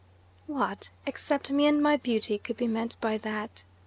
"What, except me and my beauty, could be meant by that?